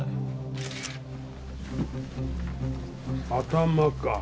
頭か。